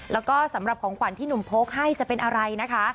แล้วก็สำหรับของขวัญที่หนุ่มโพกให้จะเป็นอะไรนะคะ